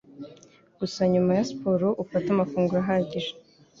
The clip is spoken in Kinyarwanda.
gusa nyuma ya siporo ufate amafunguro ahagije